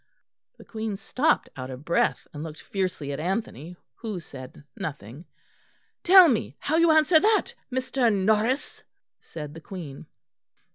The Queen stopped, out of breath, and looked fiercely at Anthony, who said nothing. "Tell me how you answer that, Mr. Norris?" said the Queen.